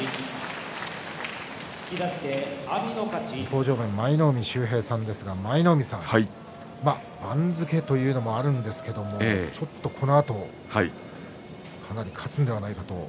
向正面の舞の海さん番付というのもあるんですけれどちょっとこのあと、かなり勝つんではないかと。